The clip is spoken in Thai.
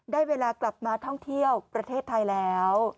ได้เวลากลับมาท่องเที่ยวประเทศไทยแล้ว